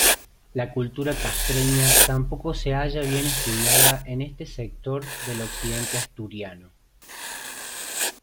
La cultura castreña tampoco se halla bien estudiada en este sector del occidente asturiano.